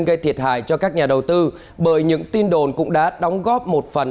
gây thiệt hại cho các nhà đầu tư bởi những tin đồn cũng đã đóng góp một phần